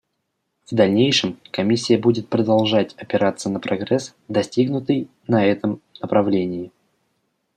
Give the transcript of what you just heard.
В дальнейшем Комиссия будет продолжать опираться на прогресс, достигнутый на этом направлении.